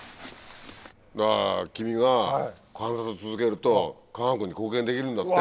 だから君が観察続けると科学に貢献できるんだって。